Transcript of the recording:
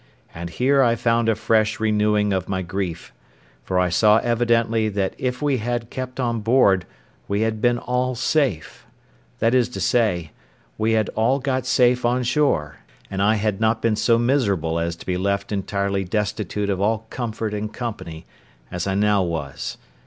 And here I found a fresh renewing of my grief; for I saw evidently that if we had kept on board we had been all safe—that is to say, we had all got safe on shore, and I had not been so miserable as to be left entirely destitute of all comfort and company as I now was.